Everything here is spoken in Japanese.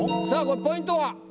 さあこれポイントは？